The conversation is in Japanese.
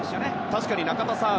確かに中田さん